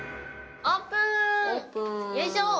オープン。